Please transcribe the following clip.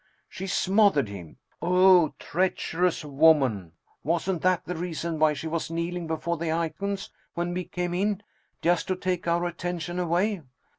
She smothered him! O treacherous woman! wasn't that the reason why she was kneeling before the icons, when we came in, just to take our attention away?